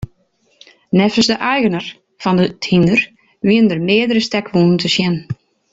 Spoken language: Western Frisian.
Neffens de eigener fan it hynder wiene der meardere stekwûnen te sjen.